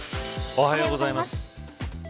おはようございます。